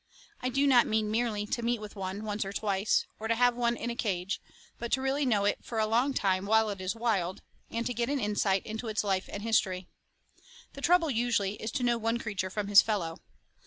I do not mean merely to meet with one once or twice, or to have one in a cage, but to really know it for a long time while it is wild, and to get an insight into its life and history. The trouble usually is to know one creature from his fellow.